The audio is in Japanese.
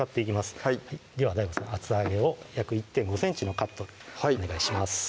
はいではＤＡＩＧＯさん厚揚げを約１．５ｃｍのカットお願いします